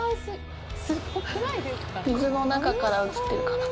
水の中から映ってるかな？